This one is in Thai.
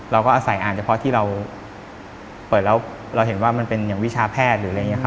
เราก็อาศัยอ่านเฉพาะที่เราเปิดแล้วเราเห็นว่ามันเป็นวิชาแพทย์